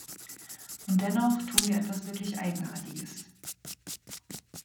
Und dennoch tun wir etwas wirklich Eigenartiges.